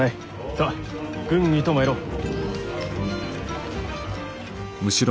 さあ軍議と参ろう。